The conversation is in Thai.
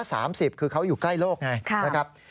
คือเขาอยู่ใกล้โลกไงนะครับ